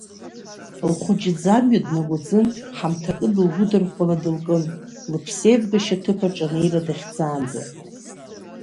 Лхәыҷы иӡамҩа днагәӡын, ҳамҭакы дылгәыдырӷәӷәала дылкын, лыԥсеивгашьа аҭыԥаҿ анеира дахьӡаанӡа.